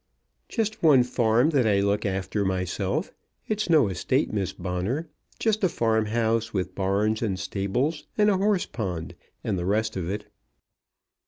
"Just one farm that I look after myself. It's no estate, Miss Bonner; just a farm house, with barns and stables, and a horse pond, and the rest of it."